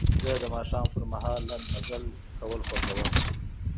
زه د ماښام پر مهال لنډ مزل کول خوښوم.